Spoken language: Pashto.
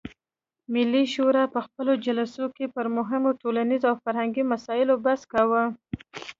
ملي شورا په خپلو جلسو کې پر مهمو ټولنیزو او فرهنګي مسایلو بحث کاوه.